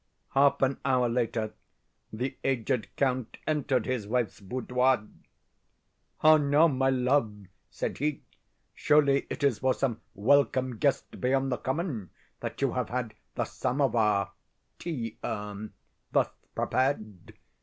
"Half an hour later the aged Count entered his wife's boudoir. "'How now, my love?' said he. 'Surely it is for some welcome guest beyond the common that you have had the samovar [Tea urn.] thus prepared?